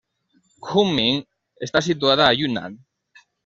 Kunming està situada a Yunnan.